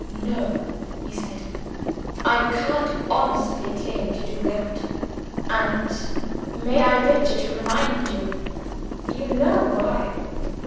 "No," he said; "I can't honestly claim to do that. And may I venture to remind you? you know why."